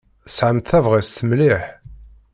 Tesɛamt tabɣest mliḥ.